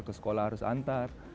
ke sekolah harus hantar